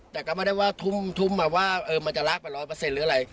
แต่ก็ไม่ได้ว่าทุ่มมาว่าเออมันจะลากไปร้อยเปอร์เซ็นต์หรืออะไร